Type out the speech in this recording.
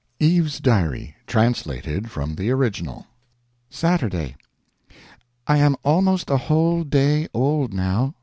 EVE'S DIARY Translated from the Original SATURDAY. I am almost a whole day old, now.